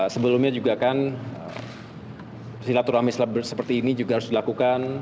sebelumnya juga kan silaturahmi seperti ini juga harus dilakukan